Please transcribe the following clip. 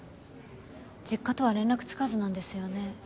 実家とは連絡つかずなんですよね。